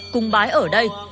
cung bái ở đây